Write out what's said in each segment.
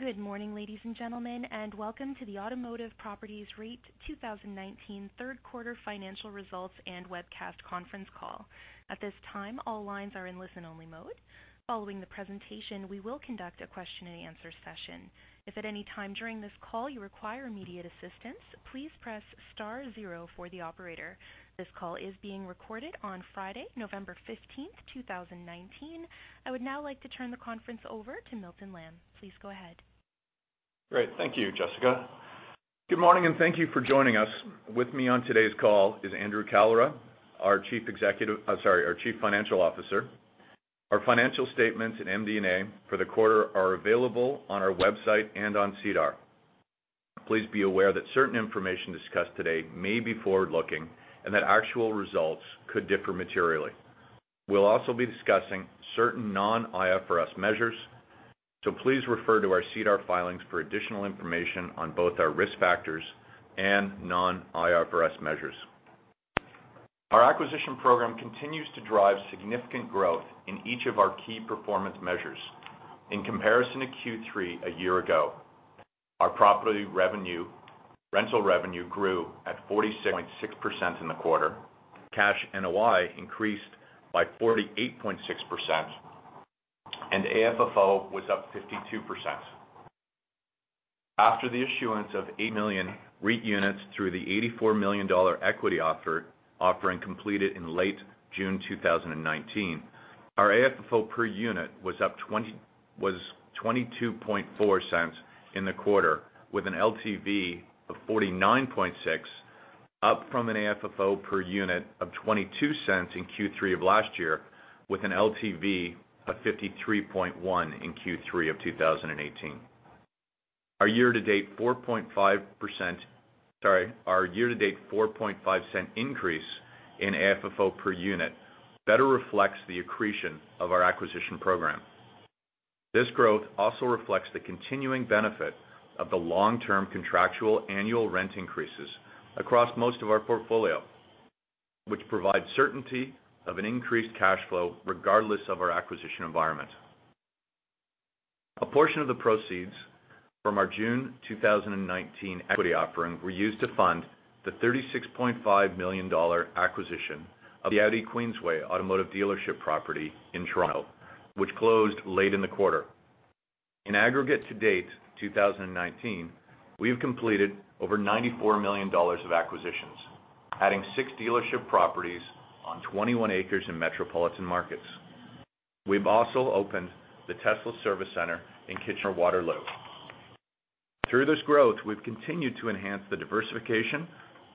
Good morning, ladies and gentlemen, welcome to the Automotive Properties REIT 2019 third quarter financial results and webcast conference call. At this time, all lines are in listen-only mode. Following the presentation, we will conduct a question and answer session. If at any time during this call you require immediate assistance, please press star zero for the operator. This call is being recorded on Friday, November 15th, 2019. I would now like to turn the conference over to Milton Lamb. Please go ahead. Great. Thank you, Jessica. Good morning. Thank you for joining us. With me on today's call is Andrew Kalra, our Chief Financial Officer. Our financial statements and MD&A for the quarter are available on our website and on SEDAR. Please be aware that certain information discussed today may be forward-looking and that actual results could differ materially. We'll also be discussing certain non-IFRS measures, so please refer to our SEDAR filings for additional information on both our risk factors and non-IFRS measures. Our acquisition program continues to drive significant growth in each of our key performance measures. In comparison to Q3 a year ago, our property rental revenue grew at 46.6% in the quarter, cash NOI increased by 48.6%. AFFO was up 52%. After the issuance of 8 million REIT units through the 84 million dollar equity offering completed in late June 2019, our AFFO per unit was 22.4 in the quarter, with an LTV of 49.6, up from an AFFO per unit of 0.22 in Q3 of last year, with an LTV of 53.1 in Q3 of 2018. Our year-to-date 4.5 increase in AFFO per unit better reflects the accretion of our acquisition program. This growth also reflects the continuing benefit of the long-term contractual annual rent increases across most of our portfolio, which provide certainty of an increased cash flow regardless of our acquisition environment. A portion of the proceeds from our June 2019 equity offering were used to fund the 36.5 million dollar acquisition of the Audi Queensway Automotive dealership property in Toronto, which closed late in the quarter. In aggregate to date 2019, we have completed over 94 million dollars of acquisitions, adding six dealership properties on 21 acres in metropolitan markets. We've also opened the Tesla service center in Kitchener-Waterloo. Through this growth, we've continued to enhance the diversification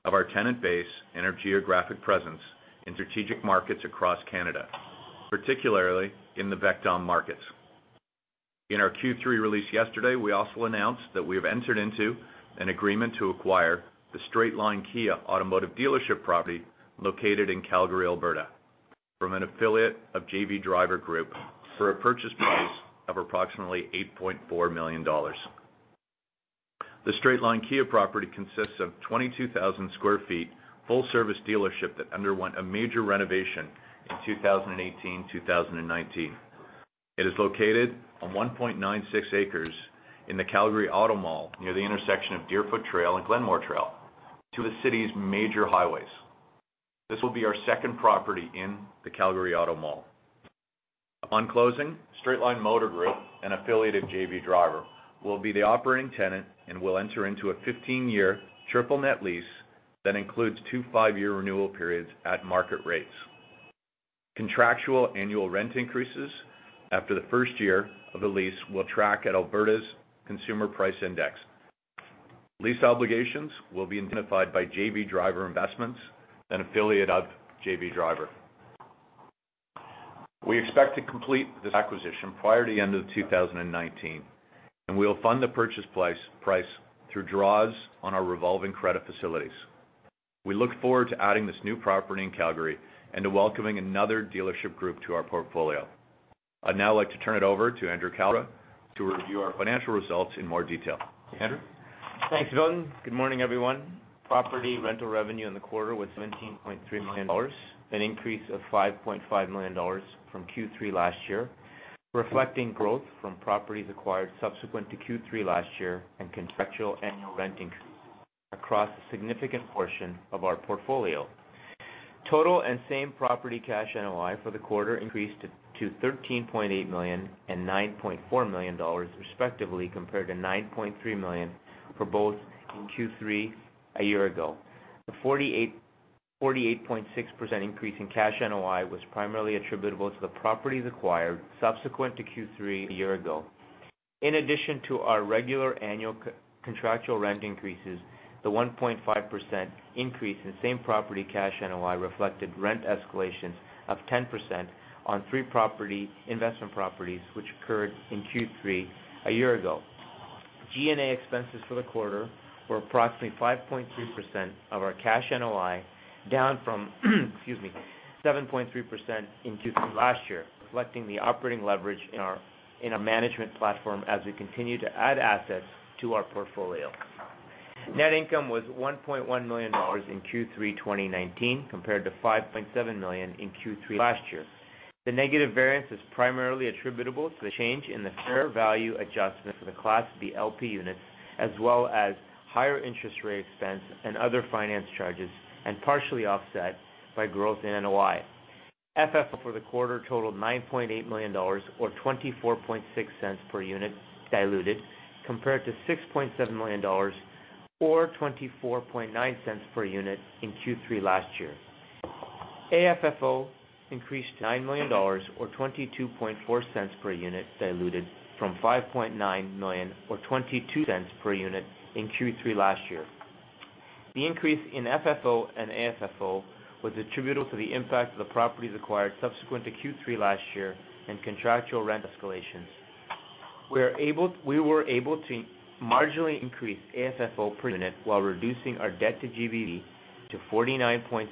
of our tenant base and our geographic presence in strategic markets across Canada, particularly in the VECTOM markets. In our Q3 release yesterday, we also announced that we have entered into an agreement to acquire the Straightline Kia Automotive dealership property located in Calgary, Alberta, from an affiliate of JV Driver Group for a purchase price of approximately 8.4 million dollars. The Straightline Kia property consists of 22,000 sq ft full service dealership that underwent a major renovation in 2018, 2019. It is located on 1.96 acres in the Calgary Auto Mall near the intersection of Deerfoot Trail and Glenmore Trail, two of the city's major highways. This will be our second property in the Calgary Auto Mall. On closing, Straightline Motor Group, an affiliate of JV Driver, will be the operating tenant and will enter into a 15-year triple-net lease that includes two five-year renewal periods at market rates. Contractual annual rent increases after the first year of the lease will track at Alberta's Consumer Price Index. Lease obligations will be indemnified by JV Driver Investments, an affiliate of JV Driver. We expect to complete this acquisition prior to the end of 2019. We will fund the purchase price through draws on our revolving credit facilities. We look forward to adding this new property in Calgary and to welcoming another dealership group to our portfolio. I'd now like to turn it over to Andrew Kalra to review our financial results in more detail. Andrew? Thanks, Milton. Good morning, everyone. Property rental revenue in the quarter was 17.3 million dollars, an increase of 5.5 million dollars from Q3 last year, reflecting growth from properties acquired subsequent to Q3 last year and contractual annual rent increases across a significant portion of our portfolio. Total and same property Cash NOI for the quarter increased to 13.8 million and 9.4 million dollars respectively, compared to 9.3 million for both in Q3 a year ago. The 48.6% increase in Cash NOI was primarily attributable to the properties acquired subsequent to Q3 a year ago. In addition to our regular annual contractual rent increases, the 1.5% increase in same property Cash NOI reflected rent escalations of 10% on three investment properties, which occurred in Q3 a year ago. G&A expenses for the quarter were approximately 5.3% of our Cash NOI, down from, excuse me, 7.3% in Q3 last year, reflecting the operating leverage in our management platform as we continue to add assets to our portfolio. Net income was 1.1 million dollars in Q3 2019, compared to 5.7 million in Q3 last year. The negative variance is primarily attributable to the change in the fair value adjustment for the Class B LP units, as well as higher interest rate expense and other finance charges, and partially offset by growth in NOI. FFO for the quarter totaled 9.8 million dollars or 24.6 per unit diluted, compared to 6.7 million dollars or 24.9 per unit in Q3 last year. AFFO increased to 9 million dollars or 22.4 per unit diluted from 5.9 million or 0.22 per unit in Q3 last year. The increase in FFO and AFFO was attributable to the impact of the properties acquired subsequent to Q3 last year and contractual rent escalations. We were able to marginally increase AFFO per unit while reducing our debt to GBV to 49.6%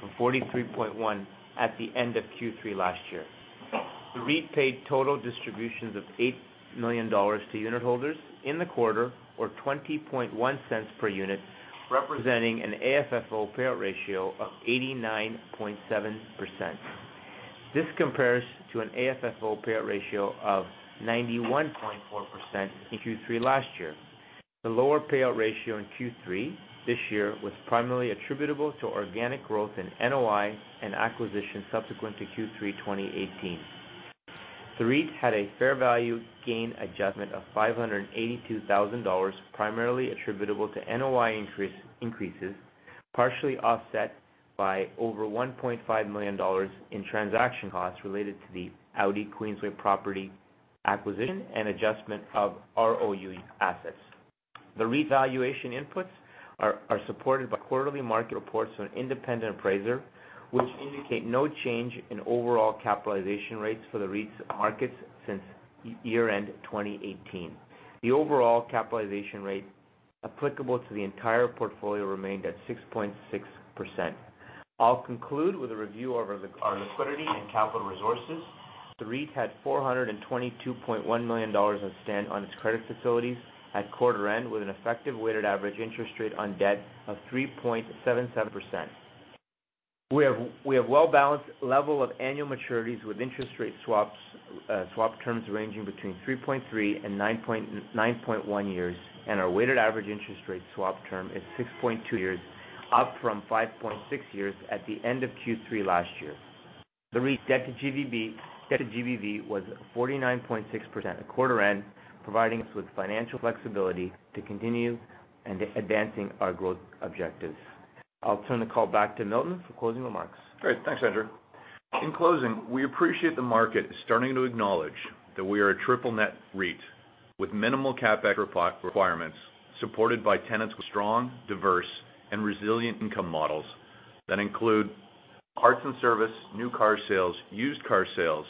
from 43.1% at the end of Q3 last year. The REIT paid total distributions of 8 million dollars to unitholders in the quarter, or 20.1 per unit, representing an AFFO payout ratio of 89.7%. This compares to an AFFO payout ratio of 91.4% in Q3 last year. The lower payout ratio in Q3 this year was primarily attributable to organic growth in NOI and acquisition subsequent to Q3 2018. The REIT had a fair value gain adjustment of 582,000 dollars, primarily attributable to NOI increases, partially offset by over 1.5 million dollars in transaction costs related to the Audi Queensway property acquisition and adjustment of ROU assets. The REIT valuation inputs are supported by quarterly market reports from an independent appraiser, which indicate no change in overall capitalization rates for the REIT's markets since year-end 2018. The overall capitalization rate applicable to the entire portfolio remained at 6.6%. I'll conclude with a review of our liquidity and capital resources. The REIT had 422.1 million dollars outstanding on its credit facilities at quarter end, with an effective weighted average interest rate on debt of 3.77%. We have well-balanced level of annual maturities with interest rate swaps terms ranging between 3.3 and 9.1 years. Our weighted average interest rate swap term is 6.2 years, up from 5.6 years at the end of Q3 last year. The REIT's debt to GBV was 49.6% at quarter end, providing us with financial flexibility to continue advancing our growth objectives. I'll turn the call back to Milton for closing remarks. Great. Thanks, Andrew. In closing, we appreciate the market is starting to acknowledge that we are a triple-net REIT with minimal CapEx requirements, supported by tenants with strong, diverse, and resilient income models that include parts and service, new car sales, used car sales,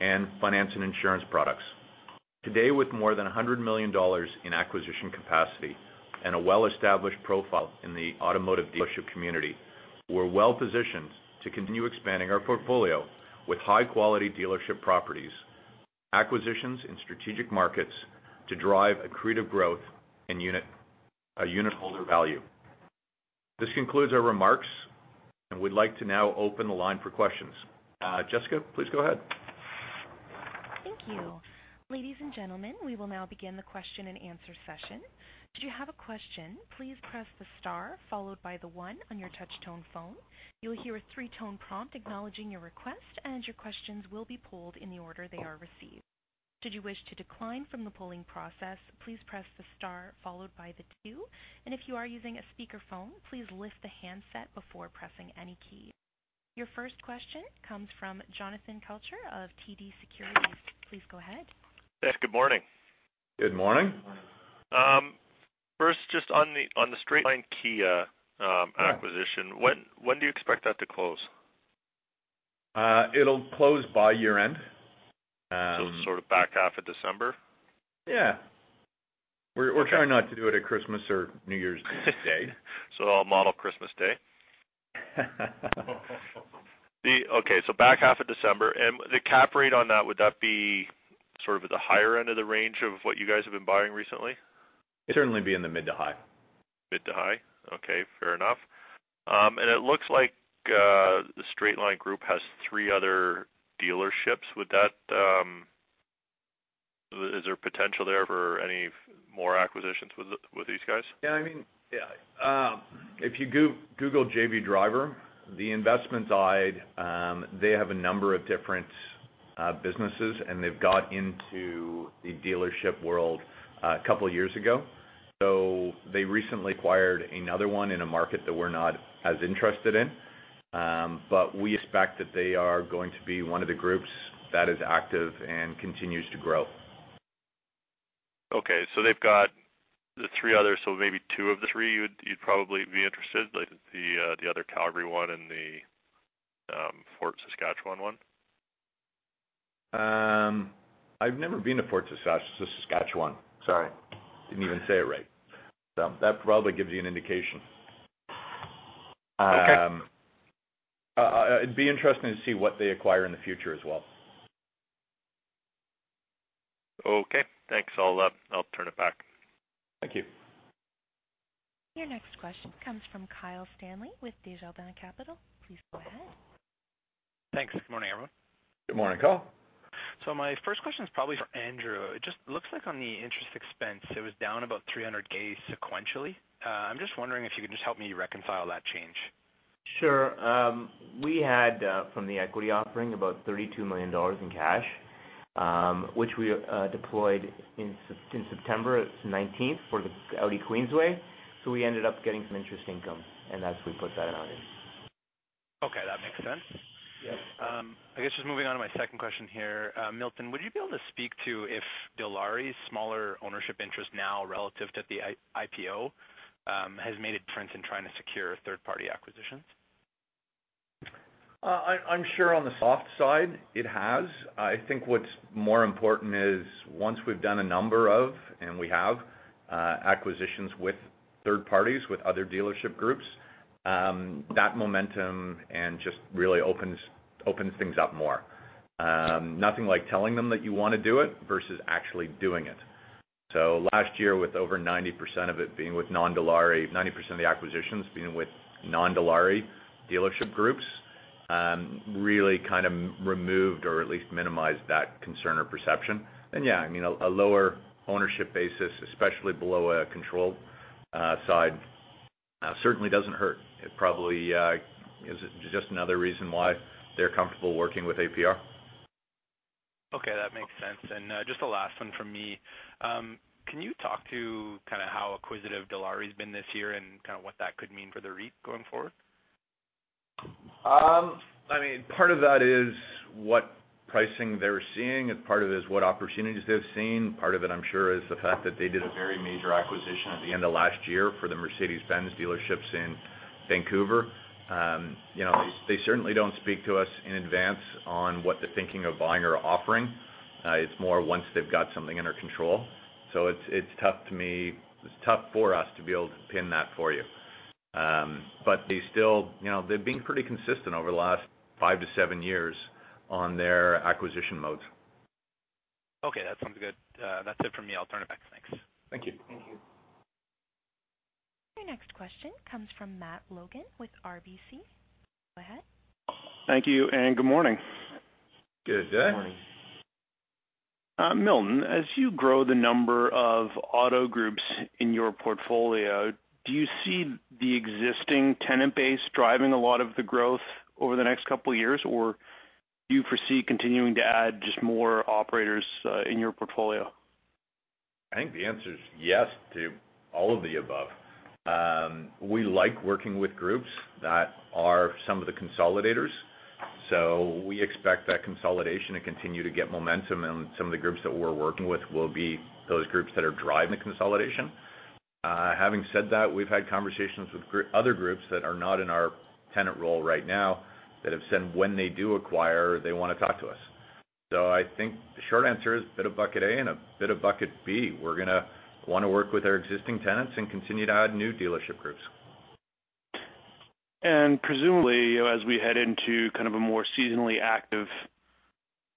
and finance and insurance products. Today, with more than 100 million dollars in acquisition capacity and a well-established profile in the automotive dealership community, we're well-positioned to continue expanding our portfolio with high-quality dealership properties, acquisitions in strategic markets to drive accretive growth and unitholder value. This concludes our remarks, and we'd like to now open the line for questions. Jessica, please go ahead. Thank you. Ladies and gentlemen, we will now begin the question and answer session. Should you have a question, please press the star followed by the one on your touch-tone phone. You will hear a three-tone prompt acknowledging your request, and your questions will be pooled in the order they are received. Should you wish to decline from the pooling process, please press the star followed by the two, and if you are using a speakerphone, please lift the handset before pressing any key. Your first question comes from Jonathan Kelcher of TD Securities. Please go ahead. Thanks. Good morning. Good morning. First, just on the Straightline Kia acquisition, when do you expect that to close? It'll close by year-end. Sort of back half of December? Yeah. We're trying not to do it at Christmas or New Year's Day. I'll model Christmas Day. Okay, back half of December. The cap rate on that, would that be sort of at the higher end of the range of what you guys have been buying recently? It'd certainly be in the mid to high. Mid to high. Okay, fair enough. It looks like the Straightline Group has three other dealerships. Is there potential there for any more acquisitions with these guys? Yeah. If you google JV Driver, the investments side, they have a number of different businesses. They've got into the dealership world a couple of years ago. They recently acquired another one in a market that we're not as interested in. We expect that they are going to be one of the groups that is active and continues to grow. They've got the three others, so maybe two of the three you'd probably be interested, the other Calgary one and the Fort Saskatchewan one? I've never been to Fort Saskatchewan. Sorry. Didn't even say it right. That probably gives you an indication. Okay. It'd be interesting to see what they acquire in the future as well. Okay, thanks. I'll turn it back. Thank you. Your next question comes from Kyle Stanley with Desjardins Capital. Please go ahead. Thanks. Good morning, everyone. Good morning, Kyle. My first question is probably for Andrew. It just looks like on the interest expense, it was down about 300K sequentially. I'm just wondering if you could just help me reconcile that change. Sure. We had, from the equity offering, about 32 million dollars in cash, which we deployed in September 19th for the Audi Queensway. We ended up getting some interest income, and that's we put that amount in. Okay, that makes sense. Yes. I guess just moving on to my second question here. Milton, would you be able to speak to if Dilawri's smaller ownership interest now relative to the IPO has made a difference in trying to secure third-party acquisitions? I'm sure on the soft side it has. I think what's more important is once we've done a number of, and we have, acquisitions with third parties, with other dealership groups, that momentum just really opens things up more. Nothing like telling them that you want to do it versus actually doing it. Last year with over 90% of it being with non-Dilawri, 90% of the acquisitions being with non-Dilawri dealership groups, really kind of removed or at least minimized that concern or perception. Yeah, a lower ownership basis, especially below a controlled side, certainly doesn't hurt. It probably is just another reason why they're comfortable working with APR. Okay, that makes sense. Just the last one from me. Can you talk to how acquisitive Dilawri's been this year and what that could mean for the REIT going forward? Part of that is what pricing they're seeing, and part of it is what opportunities they've seen. Part of it, I'm sure, is the fact that they did a very major acquisition at the end of last year for the Mercedes-Benz dealerships in Vancouver. They certainly don't speak to us in advance on what they're thinking of buying or offering. It's more once they've got something under control. It's tough for us to be able to pin that for you. They've been pretty consistent over the last 5-7 years on their acquisition modes. Okay, that sounds good. That's it for me. I'll turn it back. Thanks. Thank you. Thank you. Your next question comes from Matt Logan with RBC. Go ahead. Thank you, and good morning. Good day. Morning. Milton, as you grow the number of auto groups in your portfolio, do you see the existing tenant base driving a lot of the growth over the next couple of years, or do you foresee continuing to add just more operators in your portfolio? I think the answer is yes to all of the above. We like working with groups that are some of the consolidators. We expect that consolidation to continue to get momentum, and some of the groups that we're working with will be those groups that are driving the consolidation. Having said that, we've had conversations with other groups that are not in our tenant roll right now that have said when they do acquire, they want to talk to us. I think the short answer is a bit of bucket A and a bit of bucket B. We're going to want to work with our existing tenants and continue to add new dealership groups. Presumably, as we head into kind of a more seasonally active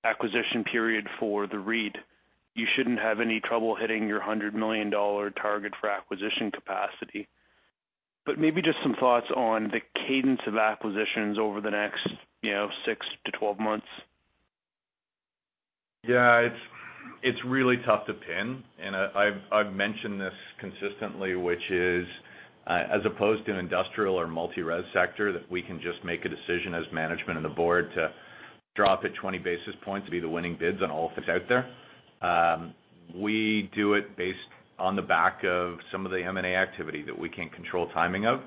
acquisition period for the REIT, you shouldn't have any trouble hitting your 100 million dollar target for acquisition capacity. Maybe just some thoughts on the cadence of acquisitions over the next six to 12 months. Yeah, it's really tough to pin, and I've mentioned this consistently, which is as opposed to an industrial or multi-res sector, that we can just make a decision as management and the board to drop at 20 basis points to be the winning bids on all things out there. We do it based on the back of some of the M&A activity that we can't control timing of.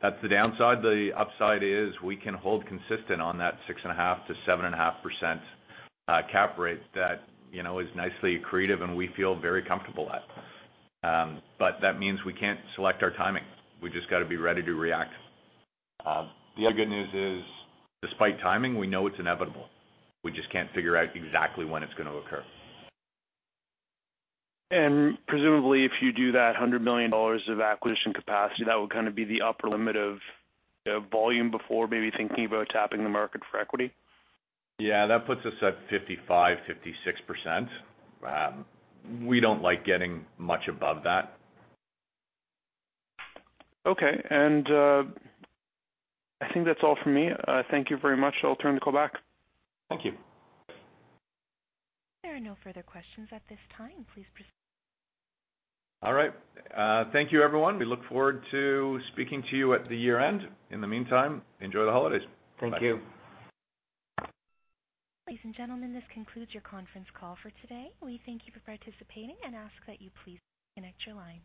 That's the downside. The upside is we can hold consistent on that 6.5%-7.5% cap rate that is nicely accretive, and we feel very comfortable at. That means we can't select our timing. We just got to be ready to react. The other good news is, despite timing, we know it's inevitable. We just can't figure out exactly when it's going to occur. Presumably, if you do that 100 million dollars of acquisition capacity, that would kind of be the upper limit of volume before maybe thinking about tapping the market for equity? Yeah, that puts us at 55%, 56%. We don't like getting much above that. Okay. I think that's all for me. Thank you very much. I'll turn the call back. Thank you. There are no further questions at this time. Please proceed. All right. Thank you everyone. We look forward to speaking to you at the year-end. In the meantime, enjoy the holidays. Thank you. Ladies and gentlemen, this concludes your conference call for today. We thank you for participating and ask that you please disconnect your lines.